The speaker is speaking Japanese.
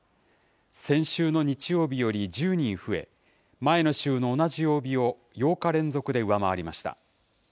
先週の日曜日より１０人増え、前の週の同じ曜日を８日連続で上回りました。